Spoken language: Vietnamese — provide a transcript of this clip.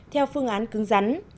theo phương án cứng rắn